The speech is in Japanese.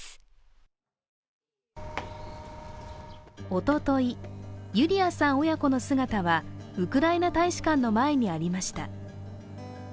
おととい、ユリアさん親子の姿はウクライナ大使館の前にありました。